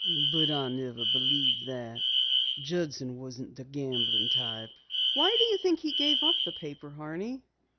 But I never believed that. Judson wasn't the gambling type." "Why do you think he gave up the paper, Horney?"